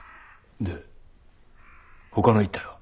でほかの１体は？